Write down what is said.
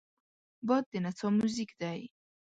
باد د نڅا موزیک دی